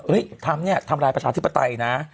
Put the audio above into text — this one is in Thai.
ทำเนี่ยทำลายประชาธิปไตยนะ